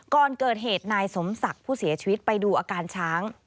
ก่อนเกิดเหตุนายสมศักดิ์ผู้เสียชีวิตไปดูอาการช้าง